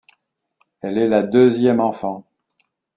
Elle est la deuxième enfant.